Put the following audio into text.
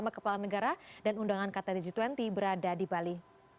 kepala negara dan undangan ktd g dua puluh berada di bali